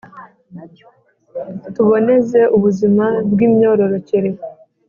Tuboneze ubuzima bw’ imyororokere.